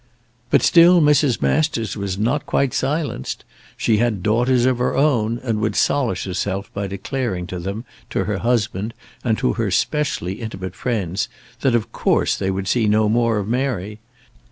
But still Mrs. Masters was not quite silenced. She had daughters of her own, and would solace herself by declaring to them, to her husband, and to her specially intimate friends, that of course they would see no more of Mary.